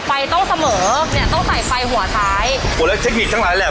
ไฟต้องเสมอเนี่ยต้องใส่ไฟหัวท้ายหัวเล็กเทคนิคทั้งหลายแหละ